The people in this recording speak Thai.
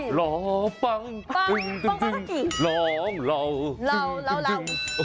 หลอปั้งตึงรอหลอตึงร้อมหลอนะ